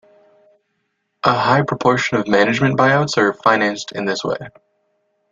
A high proportion of management buyouts are financed in this way.